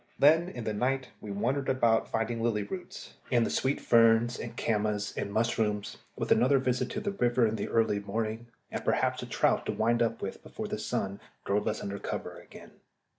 Then, in the night we wandered abroad finding lily roots, and the sweet ferns, and camas, and mushrooms, with another visit to the river in the early morning, and perhaps a trout to wind up with before the sun drove us under cover again.